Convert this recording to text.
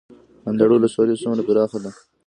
اندړ ولسوالۍ څومره پراخه ده؟